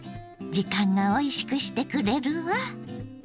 時間がおいしくしてくれるわ。